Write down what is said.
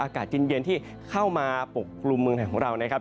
อากาศจริงเย็นที่เข้ามาปกปรุงเมืองของเรานะครับ